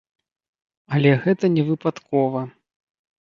Але гэта не выпадкова.